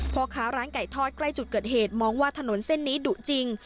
พ่อค้าร้านไก่ทอดใกล้จุดเกิดเหตุมองว่าถนนเส้นนี้ดุจริง